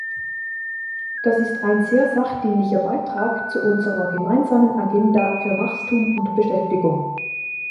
Das ist ein sehr sachdienlicher Beitrag zu unserer gemeinsamen Agenda für Wachstum und Beschäftigung.